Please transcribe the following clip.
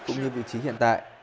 cũng như vị trí hiện tại